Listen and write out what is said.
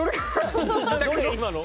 今の。